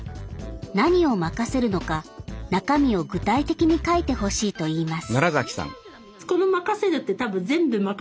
何を任せるのか中身を具体的に書いてほしいと言います。